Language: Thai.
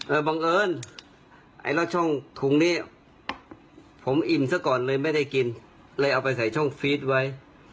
บังเอิญไอ้แล้วช่องถุงนี้ผมอิ่มซะก่อนเลยไม่ได้กินเลยเอาไปใส่ช่องฟีดไว้